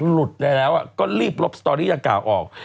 หลุดได้แล้วก็รีบลบสตอรี่ดังกล่าวออก